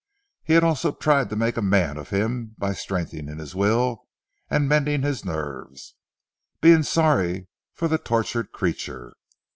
He had also tried to make a man of him by strengthening his will and mending his nerves, being sorry for the tortured creature.